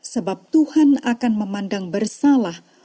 sebab tuhan akan memandang bersalah